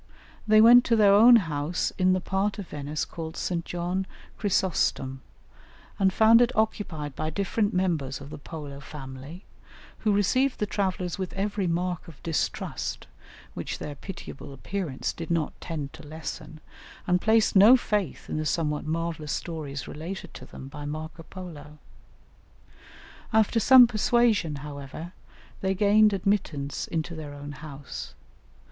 They went to their own house in the part of Venice called St. John Chrysostom, and found it occupied by different members of the Polo family, who received the travellers with every mark of distrust, which their pitiable appearance did not tend to lessen, and placed no faith in the somewhat marvellous stories related to them by Marco Polo. After some persuasion, however, they gained admittance into their own house.